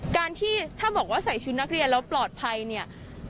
การที่ถ้าบอกว่าใส่ชุดนักเรียนแล้วปลอดภัยเนี่ย